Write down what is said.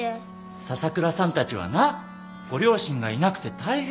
笹倉さんたちはなご両親がいなくて大変なんだ。